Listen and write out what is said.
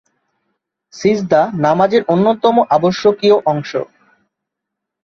সিজদা নামাজের অন্যতম আবশ্যকীয় অংশ।